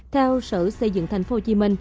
theo sở xây dựng tp hcm